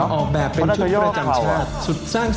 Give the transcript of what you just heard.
เขาน่าจะย่อเข่าอ่ะ